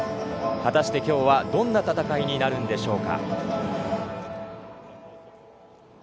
果たして今日はどんな戦いになるんでしょうか。